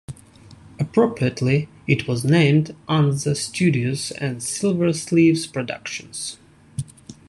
Appropriately, it was named Anza Studios and Silversleeves Productions.